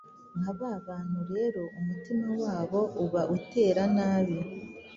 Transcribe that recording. nka ba bantu rero umutima wabo uba utera nabi